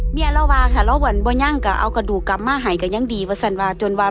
หญิงช่วยเจ้าช่างเป้าหมอนร่วงโรงตัว